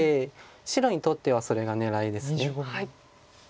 白にとってはそれが狙いです。